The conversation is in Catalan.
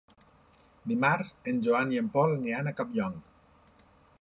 Dimarts en Joan i en Pol aniran a Campllong.